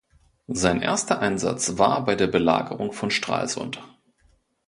Sein erster Einsatz war bei der Belagerung von Stralsund.